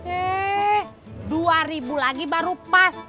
eh dua ribu lagi baru pas